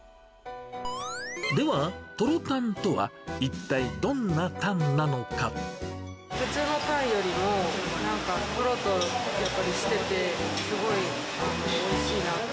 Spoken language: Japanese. では、トロたんとは、ふつうのタンよりも、なんかとろとろ、やっぱりしてて、すごいおいしいなと。